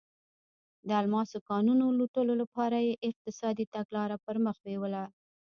د الماسو کانونو لوټلو لپاره یې اقتصادي تګلاره پر مخ بیوله.